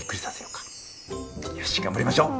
よし頑張りましょう！